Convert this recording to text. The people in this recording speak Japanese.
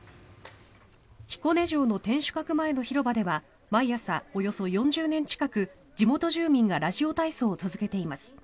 彦根城の天守閣前の広場では毎朝、およそ４０年近く地元住民がラジオ体操を続けています。